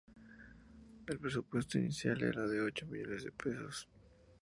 El presupuesto inicial era de ocho millones de pesos.